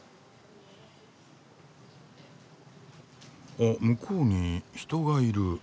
あ向こうに人がいる。